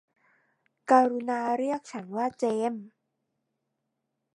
กรุณาเรียกฉันว่าเจมส์